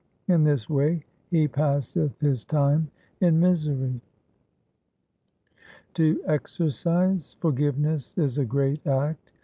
In this way he passeth his time in misery. ' To exercise forgiveness is a great act.